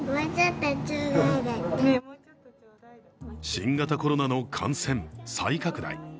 新型コロナの感染再拡大。